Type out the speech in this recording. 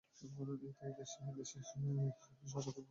তাই এই দেশ থেকেই সর্বাধিক ব্যক্তি অস্কার জিতেছে।